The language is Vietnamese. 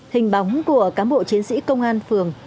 hình bóng của cán bộ chiến sĩ công an phường